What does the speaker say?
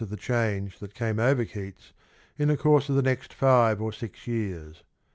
22 of the change that came over Keats in the course of the ■^^'^^f^^' jl next five or six years.